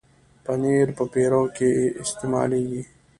پنېر په پیروکي کې استعمالېږي.